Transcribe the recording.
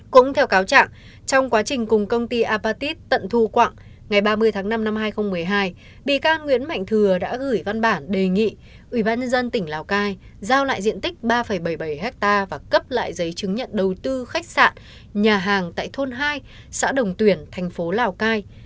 cũng theo cáo trạng trong quá trình cùng công ty apatit tận thu quặng ngày ba mươi tháng năm năm hai nghìn một mươi hai bị can nguyễn mạnh thừa đã gửi văn bản đề nghị ubnd tỉnh lào cai giao lại diện tích ba bảy mươi bảy ha và cấp lại giấy chứng nhận đầu tư khách sạn nhà hàng tại thôn hai xã đồng tuyển thành phố lào cai